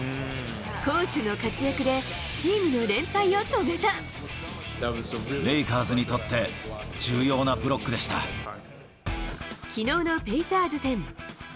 攻守の活躍で、チームの連敗を止レイカーズにとって重要なブきのうのペイサーズ戦。